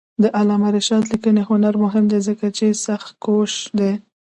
د علامه رشاد لیکنی هنر مهم دی ځکه چې سختکوش دی.